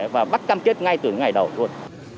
và bắt cam kết ngay từ ngày đầu thôi